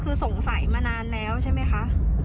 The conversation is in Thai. คือสงสัยมานานแล้วใช่ไหมคะ